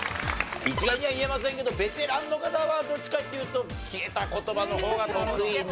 一概には言えませんけどベテランの方はどっちかっていうと消えた言葉の方が得意なのかなと。